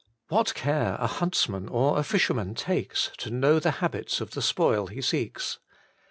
What care a huntsman or a fisherman takes to know the habits of the spoil he seeks.